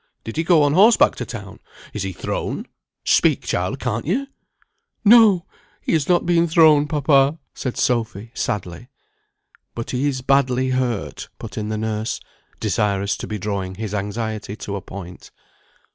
Did he go on horseback to town? Is he thrown? Speak, child, can't you?" "No! he's not been thrown, papa," said Sophy, sadly. "But he's badly hurt," put in the nurse, desirous to be drawing his anxiety to a point.